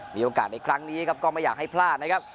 มีโอกาสในครั้งนี้ครับก็ไม่อยากให้พลาดนะครับ